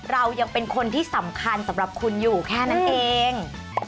เรายังเป็นคนที่สำคัญสำหรับคุณอยู่แค่นั้นเอง